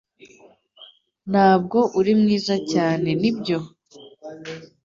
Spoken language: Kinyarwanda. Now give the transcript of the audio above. Ntabwo uri mwiza cyane nibyo